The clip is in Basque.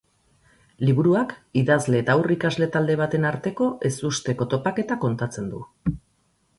Liburuak idazle eta haur ikasle talde baten arteko ezusteko topaketa kontatzen du.